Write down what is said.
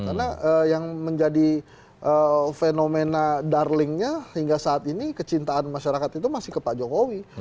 karena yang menjadi fenomena darlingnya hingga saat ini kecintaan masyarakat itu masih ke pak jokowi